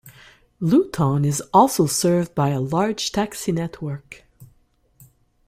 Luton is also served by a large taxi network.